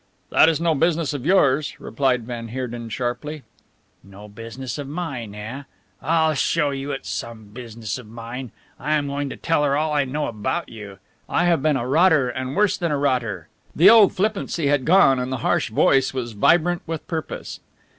"That is no business of yours," replied van Heerden sharply. "No business of mine, eh! I'll show you it's some business of mine. I am going to tell her all I know about you. I have been a rotter and worse than a rotter." The old flippancy had gone and the harsh voice was vibrant with purpose.